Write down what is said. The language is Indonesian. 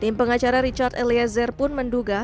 tim pengacara richard eliezer pun menduga